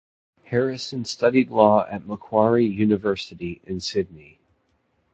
Harrison studied law at Macquarie University, in Sydney.